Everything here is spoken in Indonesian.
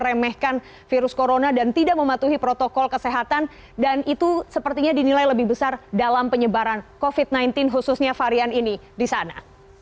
karena ada banyak yang menyebabkan virus corona dan tidak mematuhi protokol kesehatan dan itu sepertinya dinilai lebih besar dalam penyebaran covid sembilan belas khususnya varian ini di sana